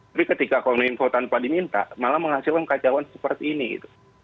tapi ketika kominfo tanpa diminta malah menghasilkan kacauan seperti ini gitu